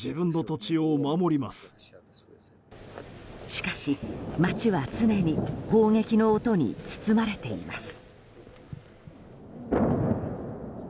しかし、街は常に砲撃の音に包まれています。